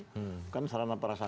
bukan sarana perasaan